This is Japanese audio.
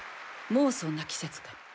もうそんな季節か。